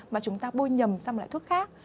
mà chúng ta bôi nhầm sang một loại thuốc khác